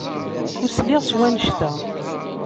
Ur sliɣ s wanect-a.